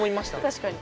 確かに。